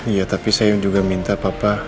iya tapi saya juga minta papa